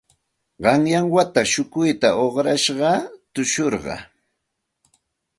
Qanyan wata shukuyta uqrashqayaq tushurqaa.